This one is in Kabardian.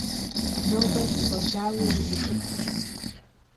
Нобэ щыщӀэдзауи узишыпхъущ!